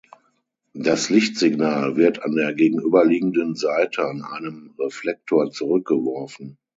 Das Lichtsignal wird an der gegenüberliegenden Seite an einem Reflektor zurückgeworfen.